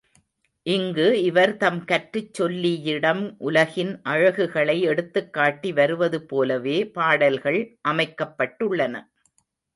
இங்கு இவர் தம் கற்றுச் சொல்லியிடம் உலகின் அழகுகளை எடுத்துக்காட்டி வருவது போலவே பாடல்கள் அமைக்கப்பட்டுள்ளன.